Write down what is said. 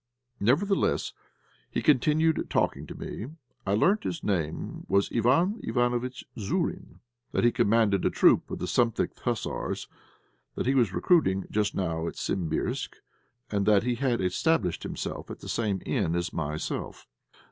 Nevertheless, he continued talking to me. I learnt that his name was Iván Ivánovitch Zourine, that he commanded a troop in the th Hussars, that he was recruiting just now at Simbirsk, and that he had established himself at the same inn as myself.